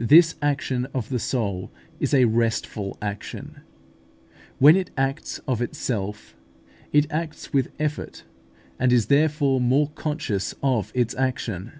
This action of the soul is a restful action. When it acts of itself, it acts with effort; and is therefore more conscious of its action.